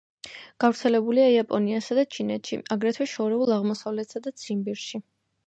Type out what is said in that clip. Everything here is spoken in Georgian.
გავრცელებულია იაპონიასა და ჩინეთში, აგრეთვე შორეულ აღმოსავლეთსა და ციმბირში.